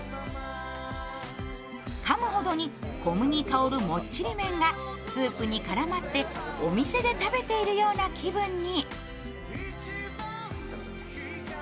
かむほどに小麦香るもっちり麺がスープに絡まってお店で食べているような気分に。